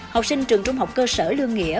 học sinh trường trung học cơ sở lương nghĩa